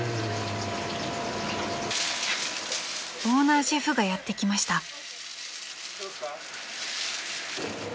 ［オーナーシェフがやって来ました］